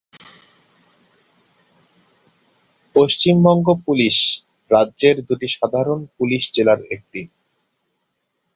Paschimbanga police রাজ্যের দুটি সাধারণ পুলিশ জেলার একটি।